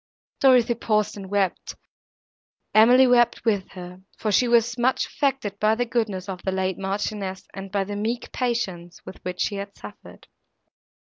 Dorothée paused and wept, and Emily wept with her; for she was much affected by the goodness of the late Marchioness, and by the meek patience with which she had suffered.